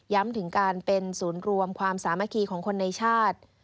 ถึงการเป็นศูนย์รวมความสามัคคีของคนในชาติ